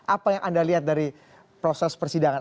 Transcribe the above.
apa yang anda lihat dari proses persidangan